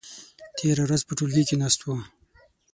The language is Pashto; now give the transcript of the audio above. تېره ورځ په ټولګي کې ناست وو.